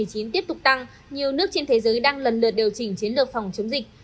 covid một mươi chín tiếp tục tăng nhiều nước trên thế giới đang lần lượt điều chỉnh chiến lược phòng chống dịch